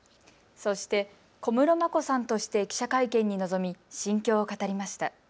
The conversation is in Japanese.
そして小室眞子さんとして記者会見に臨み心境を語りました。